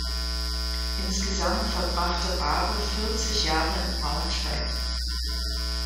Insgesamt verbrachte Raabe vierzig Jahre in Braunschweig.